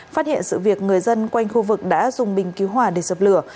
phát hiện sự việc người dân quanh khu vực đã dùng bình cứu hỏa để dập lửa